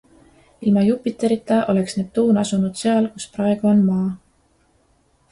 Ilma Jupiterita oleks Neptuun asunud seal, kus praegu on Maa.